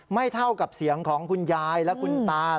เท่ากับเสียงของคุณยายและคุณตา